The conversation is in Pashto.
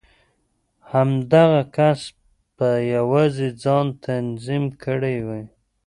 همدغه کس په يوازې ځان تنظيم کړی و.